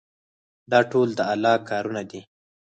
دا ټول د الله کارونه دي.